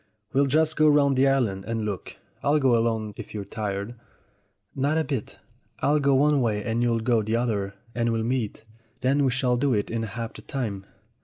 We'll just go round the island and look. Or I'll go alone, if you're tired." "Not a bit. I'll go one way and you'll go the other, and we'll meet. Then we shall do it in half the time."